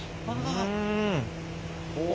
うん。